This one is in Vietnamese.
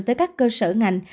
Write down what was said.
đến các cơ sở ngành